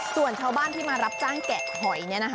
ส่วนชาวบ้านที่มารับจ้างแกะหอย